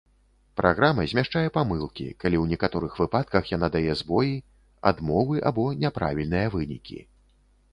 Праграма змяшчае памылкі, калі ў некаторых выпадках яна дае збоі, адмовы або няправільныя вынікі.